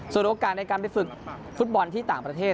ส่วนโอกาสในการไปฝึกฟุตบอลที่ต่างประเทศ